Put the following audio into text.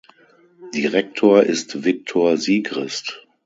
Direktor ist Viktor Sigrist.